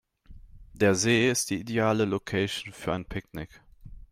Der See ist die ideale Location für ein Picknick.